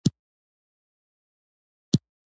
ویده انسان د زړه غږ نه اوري